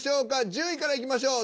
１０位からいきましょう。